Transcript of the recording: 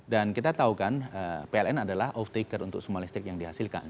kita tahu kan pln adalah off taker untuk semua listrik yang dihasilkan